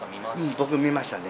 僕、見ましたね。